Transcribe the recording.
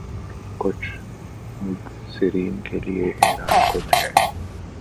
کچھ مبصرین کے لئے حیران کن ہے